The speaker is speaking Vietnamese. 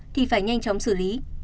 thì phải nhanh chóng xử lý